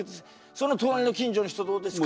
その隣の近所の人どうですか。